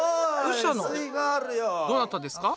どなたですか？